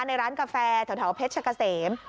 ในร้านกาแฟแถวเพชรกะเสม